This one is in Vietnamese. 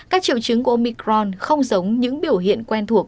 các triệu chứng của omicron không giống những biểu hiện quen thuộc